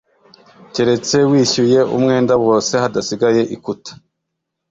keretse wishyuye umwenda wose hadasigaye ikuta